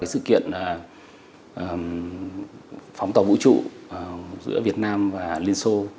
sự kiện phóng tàu vũ trụ giữa việt nam và liên xô